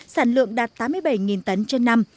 sản lượng đạt tám mươi bảy tấn trên năm